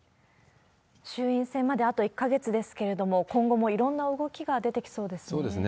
衆院選まであと１か月ですけれども、今後もいろんな動きが出てきそうですね。